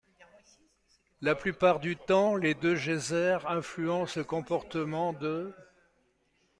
La plupart du temps, les deux geysers influencent le comportement de '.